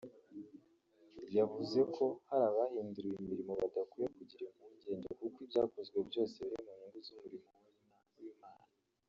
yavuze ko abahinduriwe imirimo badakwiye kugira impungenge kuko ibyakozwe byose biri mu nyungu z’umurimo w’Imana